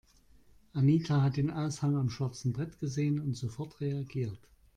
Anita hat den Aushang am schwarzen Brett gesehen und sofort reagiert.